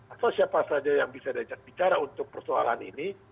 atau siapa saja yang bisa dicara untuk persoalan ini